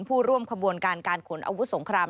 ผู้ร่วมขบวนการการขนอาวุธสงคราม